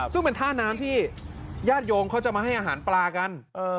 ซึ่งเป็นท่าน้ำที่ญาติโยมเขาจะมาให้อาหารปลากัน